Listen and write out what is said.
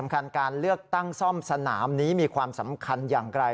การเลือกตั้งซ่อมสนามนี้มีความสำคัญอย่างไร